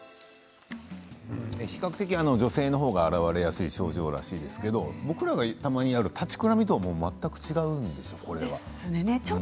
比較的、女性の方が現れやすい症状のようですけど僕もたまにある立ちくらみとは全く違うんでしょ？